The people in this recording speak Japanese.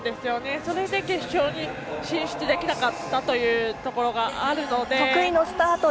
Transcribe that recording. それで決勝に進出できなかったというところがあるので。